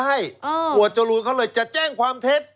หมวดจรูนเขาเลยจะแจ้งความเท็จ